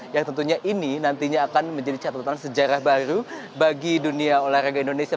yang tentunya ini nantinya akan menjadi catatan sejarah baru bagi dunia olahraga indonesia